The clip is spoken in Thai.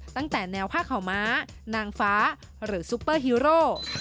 ตั้งแต่แนวผ้าข่าวม้านางฟ้าหรือซุปเปอร์ฮีโร่